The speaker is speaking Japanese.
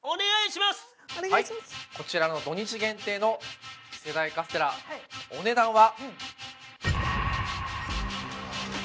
こちらの土日限定の次世代カステラお値段は。